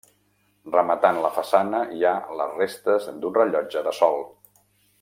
Rematant la façana hi ha les restes d'un rellotge de sol.